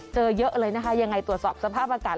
เจอเยอะเลยนะคะยังไงตรวจสอบสภาพอากาศ